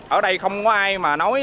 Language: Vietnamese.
ở đây không có ai mà nói